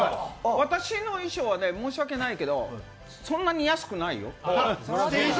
私の衣装は申し訳ないけど、そんなに安くないよ。